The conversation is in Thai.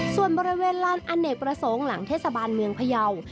ส่วนบริเวณลานอเนกประสงค์หลังเทศบาลเมืองพยาว